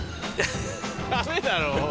ダメだろ。